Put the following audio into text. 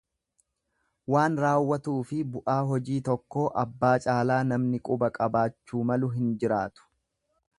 Waan raawwatuufi bu'aa hojii tokkoo abbaa caalaa namni quba qabaachuu malu hin jiraatu.